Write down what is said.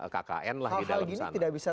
kkn lah di dalam sana hal hal gini tidak bisa